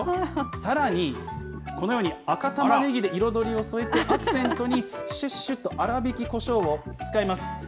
さらに、このように赤タマネギで彩りを添えてアクセントに、しゅっしゅっと粗びきこしょうを使います。